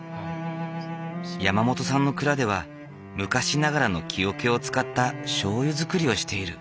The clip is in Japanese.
山本さんの蔵では昔ながらの木おけを使ったしょうゆ造りをしている。